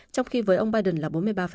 trong khi với ông biden là bốn mươi ba